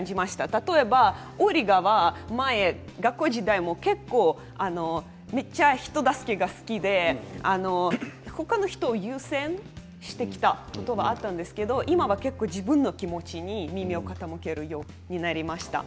例えばオリガはめっちゃ人助けが好きで他の人を優先してきたことがあったんですけど今は結構、自分の気持ちに耳を傾けるようになりました。